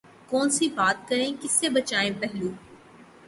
کون سی بات کریں کس سے بچائیں پہلو